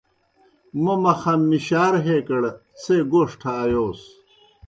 موْ مخام مِشار ہیکڑ څھے گوݜٹھہ آیوس۔